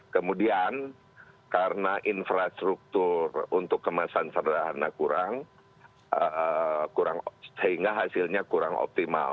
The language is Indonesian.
kemudian karena infrastruktur untuk kemasan sederhana kurang sehingga hasilnya kurang optimal